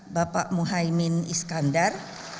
bapak muhaymin iskandar